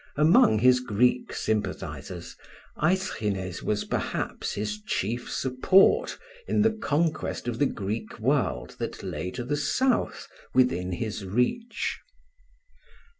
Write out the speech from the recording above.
Among his Greek sympathizers, Aeschines was perhaps his chief support in the conquest of the Greek world that lay to the south within his reach.